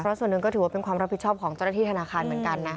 ส่วนหนึ่งก็ถือว่าเป็นความรับผิดชอบของเจ้าหน้าที่ธนาคารเหมือนกันนะ